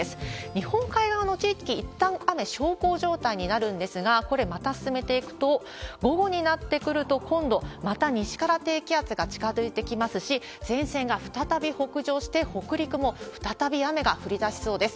日本海側の地域、いったん雨、小康状態になるんですが、これ、また進めていくと、午後になってくると、今度、また西から低気圧が近づいてきますし、前線が再び北上して、北陸も再び雨が降りだしそうです。